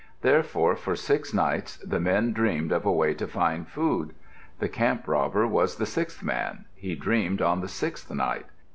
Therefore for six nights the men dreamed of a way to find food. The camp robber was the sixth man. He dreamed on the sixth night.